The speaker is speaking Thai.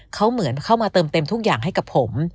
เขาเหมือนเข้ามาเติมเต็มทุกอย่างให้กับผม